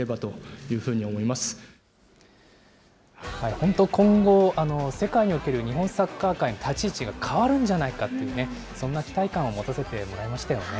本当、今後、世界における日本サッカー界の立ち位置が変わるんじゃないかっていうね、そんな期待感を持たせてもらいましたよね。